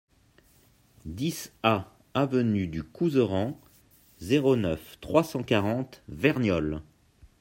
dix A avenue du Couserans, zéro neuf, trois cent quarante, Verniolle